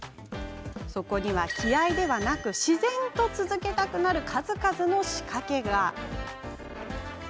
そこには、気合いではなく自然と続けたくなる数々の仕掛けが。